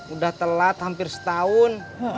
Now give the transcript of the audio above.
udah telat hampir setahun